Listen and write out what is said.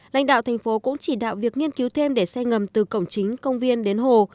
lãnh đạo thành phố cũng chỉ đạo việc nghiên cứu thêm để xe ngầm từ cổng chính công viên đến hồ